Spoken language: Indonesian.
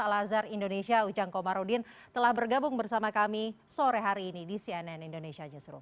al azhar indonesia ujang komarudin telah bergabung bersama kami sore hari ini di cnn indonesia newsroom